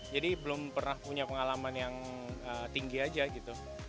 jadi belum pernah punya pengalaman yang tinggi aja gitu